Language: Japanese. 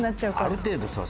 「ある程度さ